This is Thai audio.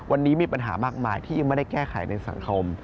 วันนี้มีปัญหามากมายที่ยังไม่ได้แก้ไขในสังคม